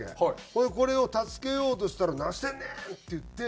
それでこれを助けようとしたら「何してんねん！」って言って。